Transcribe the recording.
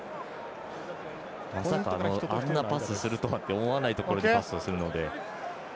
まさかあんなパスするとはと、思わないところにパスをするので。